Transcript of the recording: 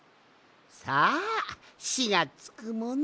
さあ「し」がつくもの